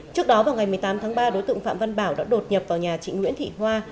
trước đó vào ngày một mươi tám tháng ba đối tượng phạm văn bảo đã đột nhập vào nhà chị nguyễn thị hoa